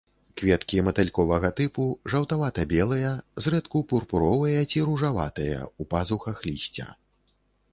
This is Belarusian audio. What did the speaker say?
Кветкі матыльковага тыпу, жаўтавата-белыя, зрэдку пурпуровыя ці ружаватыя, у пазухах лісця.